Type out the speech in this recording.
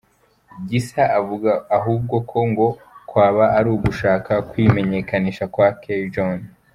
Gisa avuga ahubwo ko ngo kwaba ari ugushaka kwimenyekanisha kwa K-John.